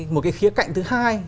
một cái khía cạnh thứ hai